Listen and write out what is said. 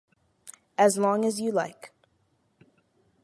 As long as you like.